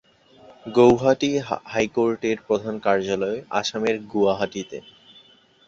গৌহাটি হাইকোর্টের প্রধান কার্যালয় আসামের গুয়াহাটিতে।